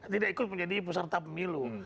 tidak ikut menjadi peserta pemilu